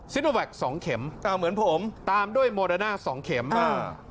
ซินโอแวค๒เข็มตามด้วยโมเดน่า๒เข็มตามเหมือนผม